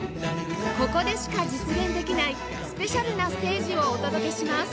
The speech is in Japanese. ここでしか実現できないスペシャルなステージをお届けします